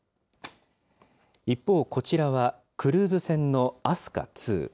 一方、こちらはクルーズ船の飛鳥２。